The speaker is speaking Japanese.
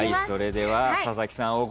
それでは佐々木さん